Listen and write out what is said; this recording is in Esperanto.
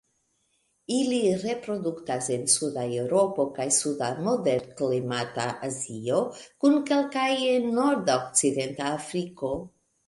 Ili reproduktas en suda Eŭropo kaj suda moderklimata Azio kun kelkaj en nordokcidenta Afriko.